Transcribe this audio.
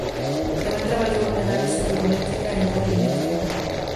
Tamén traballou en análise volumétrica e en calorimétrica.